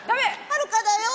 はるかだよ。